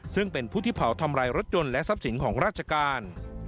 ซึ่งเป็นผู้ที่เผาทำลายรถยนต์และทรัพย์สินของราชการ